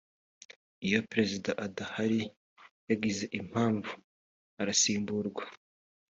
iyo perezida adahari yagize impamvu arasimburwa